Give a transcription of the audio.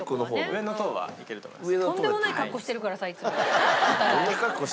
上の棟はいけると思います。